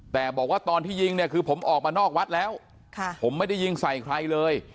แต่บอกว่าตอนที่ยิงเนี่ยคือผมออกมานอกวัดแล้วผมไม่ได้ยิงใส่ใครเลย